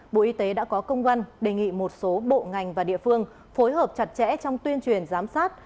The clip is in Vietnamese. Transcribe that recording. bộ y tế đã có công văn đề nghị một số bộ ngành và địa phương phối hợp chặt chẽ trong tuyên truyền giám sát